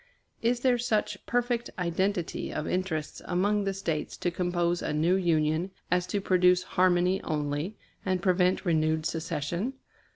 Is there such perfect identity of interests among the States to compose a new Union as to produce harmony only, and prevent renewed secession?